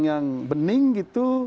yang bening gitu